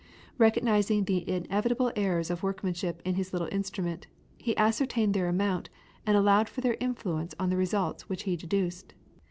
Recognising the inevitable errors of workmanship in his little instrument, he ascertained their amount and allowed for their influence on the results which he deduced.